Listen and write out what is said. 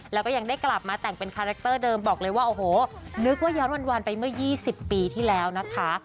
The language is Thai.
แล้วก็ยังได้กลับมาแต่งเป็นคาแรคเตอร์เดิมบอกเลยว่าโอ้โหนึกว่าย้อนวันไปเมื่อ๒๐ปีที่แล้วนะคะ